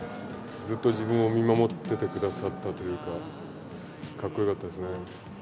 ずっと自分を見守っててくださったというか、格好よかったですね。